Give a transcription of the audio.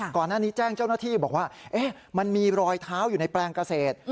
ก่อนหน้านี้แจ้งเจ้าหน้าที่บอกว่ามันมีรอยเท้าอยู่ในแปลงเกษตร